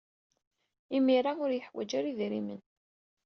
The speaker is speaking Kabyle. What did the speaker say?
Imir-a, ur yeḥwaj ara idrimen.